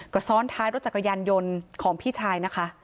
ก็ซ้อนท้ายรถจักรยานยนต์ของพี่ชายนะคะ